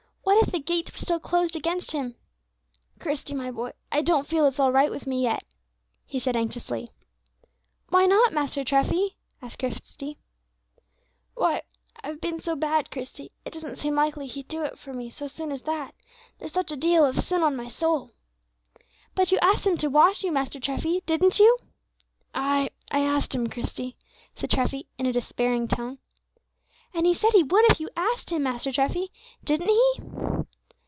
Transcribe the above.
What if the gates were still closed against him? "Christie, boy, I don't feel it's all right with me yet," he said anxiously. "Why not, Master Treffy?" asked Christie. "Why, I've been so bad, Christie; it doesn't seem likely He'd do it for me so soon as that; there's such a deal of sin on my soul." "But you asked Him to wash you, Master Treffy; didn't you?" "Ay, I asked Him, Christie," said Treffy, in a despairing tone. "And He said He would if you asked Him, Master Treffy; didn't He?"